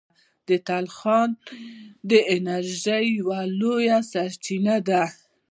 تلخان د انرژۍ یوه لویه سرچینه ده.